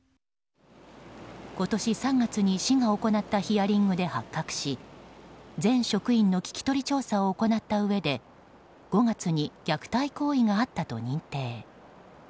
今年３月に市が行ったヒアリングで発覚し全職員の聞き取り調査を行ったうえで５月に虐待行為があったと認定。